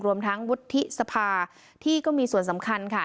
รวมทั้งวุฒิสภาที่ก็มีส่วนสำคัญค่ะ